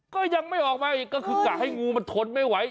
ก็ยังไม่ออกมาอีกก็คือกะให้งูมันทนไม่ไหว